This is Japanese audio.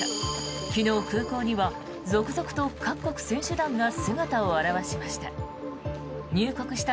昨日、空港には続々と各国選手団が姿を現しました。